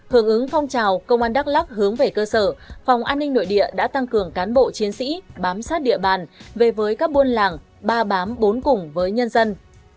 hướng ứng phong trào công an đắk lắc hướng về cơ sở phòng an ninh nội địa đã tăng cường cán bộ chiến sĩ bám sát địa bàn về với các buôn làng ba bám bốn cùng với nhân dân